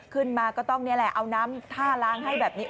ขึ้นมาก็ต้องนี่แหละเอาน้ำท่าล้างให้แบบนี้